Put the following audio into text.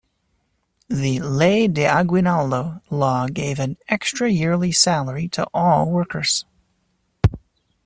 The "Ley de Aguinaldo" law gave an extra yearly salary to all workers.